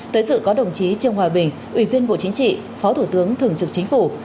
tới dự có đồng chí trương hòa bình ủy viên bộ chính trị phó thủ tướng thường trực chính phủ